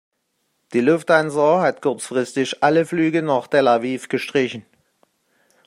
Die Lufthansa hat kurzfristig alle Flüge nach Tel Aviv gestrichen.